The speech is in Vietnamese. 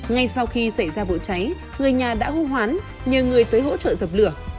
ngay sau khi xảy ra vụ cháy người nhà đã hô hoán nhờ người tới hỗ trợ dập lửa